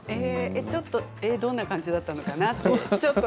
ちょっとどんな感じだったのかなって。